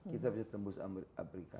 kita bisa tembus amerika